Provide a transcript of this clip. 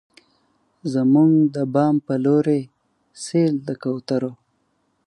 زموږ د بام په لورې، سیل د کوترو